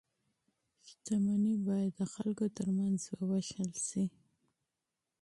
شتمني باید د خلکو ترمنځ وویشل شي.